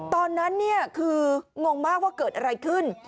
ตอนนั้นคืองงมากว่าเกิดอะไรขึ้น